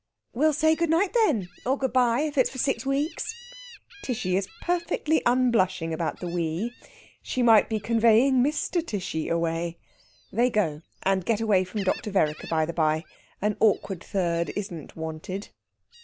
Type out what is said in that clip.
"We'll say good night, then or good bye, if it's for six weeks." Tishy is perfectly unblushing about the we. She might be conveying Mr. Tishy away. They go, and get away from Dr. Vereker, by the bye. An awkward third isn't wanted.